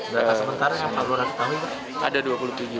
berhak sementara yang kelurahan tahu itu